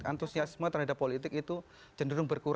antusiasme ternyata politik itu jenisnya seperti itu nih ya